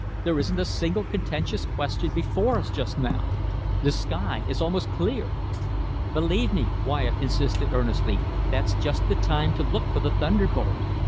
There isn't a single contentious question before us just now. The sky is almost clear." "Believe me," Wyatt insisted earnestly, "that's just the time to look for the thunderbolt.